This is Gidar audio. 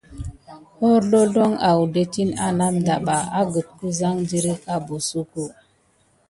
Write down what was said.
Horzlozloŋ adetine anamdaba agate kusan dirick abosuko.